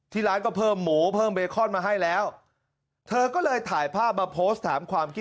ร้านก็เพิ่มหมูเพิ่มเบคอนมาให้แล้วเธอก็เลยถ่ายภาพมาโพสต์ถามความคิด